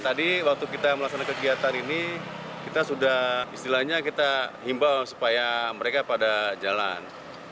tadi waktu kita melaksanakan kegiatan ini kita sudah istilahnya kita himbau supaya mereka pada jalan